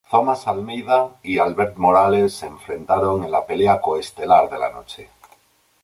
Thomas Almeida y Albert Morales se enfrentaron en la pelea coestelar de la noche.